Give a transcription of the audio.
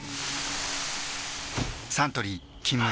サントリー「金麦」